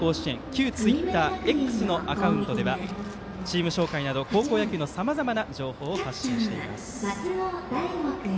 旧ツイッターのＸアカウントではチーム紹介など高校野球のさまざまな情報を発信しています。